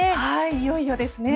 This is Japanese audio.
いよいよですね。